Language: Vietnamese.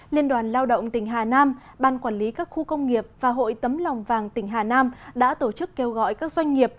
liên đoàn lao động tỉnh hà nam ban quản lý các khu công nghiệp và hội tấm lòng vàng tỉnh hà nam đã tổ chức kêu gọi các doanh nghiệp